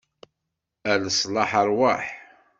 A leṣlaḥ, ṛwaḥ!